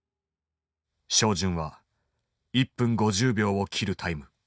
照準は１分５０秒を切るタイム。